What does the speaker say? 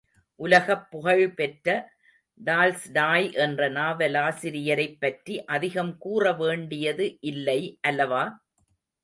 உலகப் புகழ் பெற்ற டால்ஸ்டாய் என்ற நாவலாசிரியரைப் பற்றி அதிகம் கூற வேண்டியது இல்லை அல்லவா?